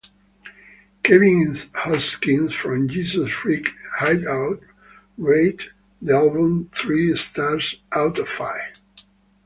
Kevin Hoskins from Jesus Freak Hideout rated the album three stars out of five.